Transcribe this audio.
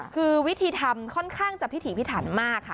คือวิธีทำค่อนข้างจะพิถีพิถันมากค่ะ